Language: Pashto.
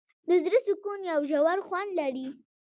د زړه سکون یو ژور خوند لري.